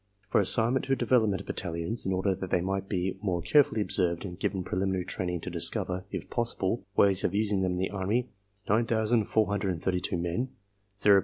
For assignment to development battalions, in order that they might be more carefully observed and given preliminary training to discover, if possible, ways of using them in the Army, 9,432 men (O.